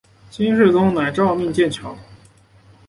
金世宗乃诏命建桥。